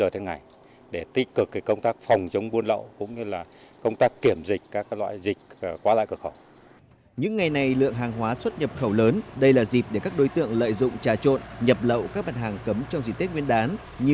trên ngày để tích cực công tác